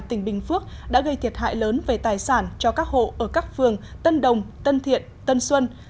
tỉnh bình phước đã gây thiệt hại lớn về tài sản cho các hộ ở các phường tân đồng tân thiện tân xuân